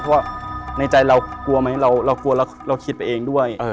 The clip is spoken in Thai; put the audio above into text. เพราะว่าในใจเรากลัวไหมเรากลัวเราคิดไปเองด้วย